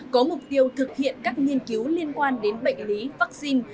có mục tiêu thực hiện các nghiên cứu liên quan đến bệnh lý vaccine